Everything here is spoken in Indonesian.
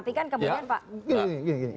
tapi kan kemudian pak